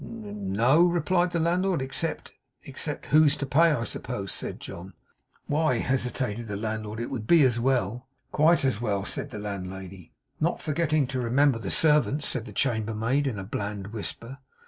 'N no,' replied the landlord, 'except ' 'Except, who's to pay, I suppose?' said John. 'Why,' hesitated the landlord, 'it would be as well.' 'Quite as well,' said the landlady. 'Not forgetting to remember the servants,' said the chambermaid in a bland whisper.